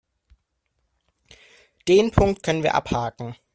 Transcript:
Den Punkt können wir abhaken.